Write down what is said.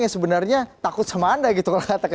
yang sebenarnya takut sama anda gitu kalau